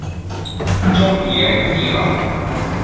忠言逆耳。